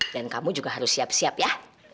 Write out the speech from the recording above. dan kamu juga harus siap siap ya